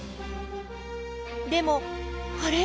でもあれ？